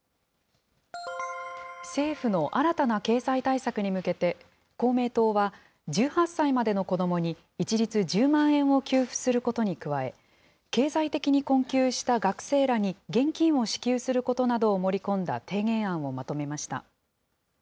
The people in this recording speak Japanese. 政府の新たな経済対策に向けて、公明党は、１８歳までの子どもに一律１０万円を給付することに加え、経済的に困窮した学生らに現金を支給することなどを盛り込んだ提言案をまとめました。